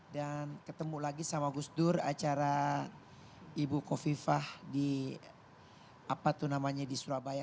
dan ketemu lagi sama gus dur acara ibu kofifah di apa tuh namanya di surabaya